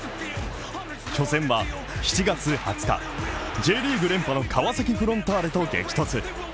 初戦は７月２０日Ｊリーグ連覇の川崎フロンターレと激突。